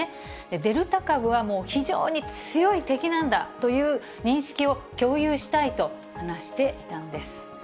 デルタ株はもう、非常に強い敵なんだという認識を共有したいと話していたんです。